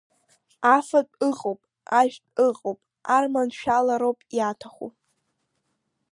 Афатә ыҟоуп, ажәтә ыҟоуп, арманшәалароуп иаҭаху…